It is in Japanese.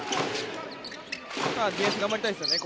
ディフェンス頑張りたいですよね